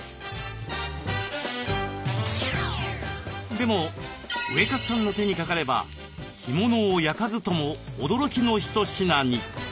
でもウエカツさんの手にかかれば干物を焼かずとも驚きの一品に。